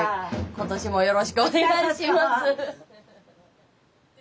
今年もよろしくお願いします。